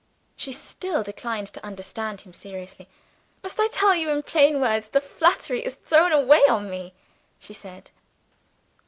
She still declined to understand him seriously. "Must I tell you in plain words that flattery is thrown away on me?" she said.